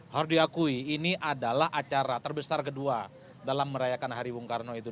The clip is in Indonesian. harus diakui ini adalah acara terbesar kedua dalam merayakan hari bung karno itu